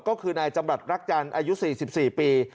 ก็คือนายจำรัฐรักจันทร์อายุ๔๔ปี